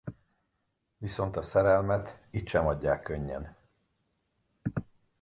Viszont a szerelemet itt sem adják könnyen.